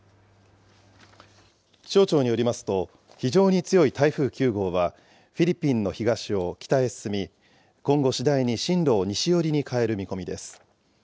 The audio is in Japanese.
気象庁によりますと、非常に強い台風９号は、フィリピンの東を北へ進み、今後、次第に進路を西寄りに変える見込みです。